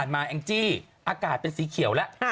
๒วันที่ผ่านมาแอ้งจี้อากาศเป็นสีเขียวแล้ว